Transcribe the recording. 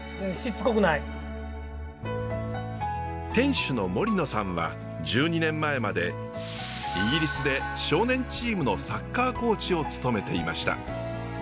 店主の森野さんは１２年前までイギリスで少年チームのサッカーコーチを務めていました。